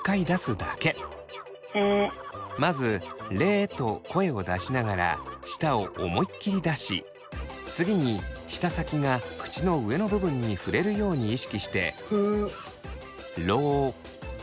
まず「レ」と声を出しながら舌を思いっきり出し次に舌先が口の上の部分に触れるように意識して「ロ」。